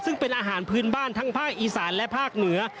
ซึ่งเป็นอาหารพื้นบ้านทั้งภาคอีสานและภาคเหนือ